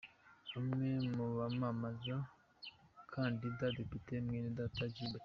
Bamwe mu bamamaza kandida-depite Mwenedata Gilbert.